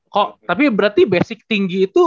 kok tapi berarti basic tinggi itu